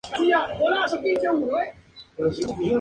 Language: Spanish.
La historia es protagonizada por el personaje Flecha Verde.